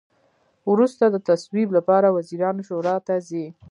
وروسته د تصویب لپاره وزیرانو شورا ته ځي.